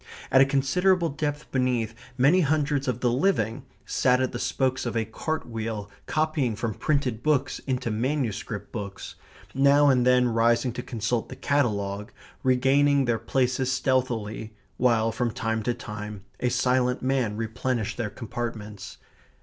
At a considerable depth beneath, many hundreds of the living sat at the spokes of a cart wheel copying from printed books into manuscript books; now and then rising to consult the catalogue; regaining their places stealthily, while from time to time a silent man replenished their compartments.